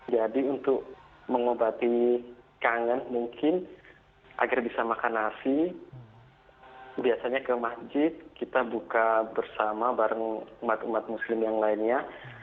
jadi untuk mengobati kangen mungkin agar bisa makan nasi biasanya ke masjid kita buka bersama bareng umat umat muslim yang lainnya